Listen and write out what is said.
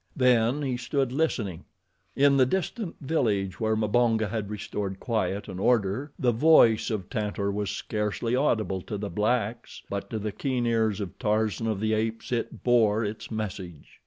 Then he stood listening. In the distant village where Mbonga had restored quiet and order, the voice of Tantor was scarcely audible to the blacks, but to the keen ears of Tarzan of the Apes it bore its message.